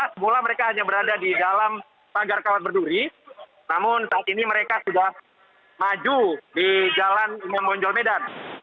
semula mereka hanya berada di dalam pagar kawat berduri namun saat ini mereka sudah maju di jalan imam bonjol medan